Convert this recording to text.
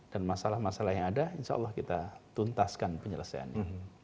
dan masalah masalah yang ada insya allah kita tuntaskan penyelesaiannya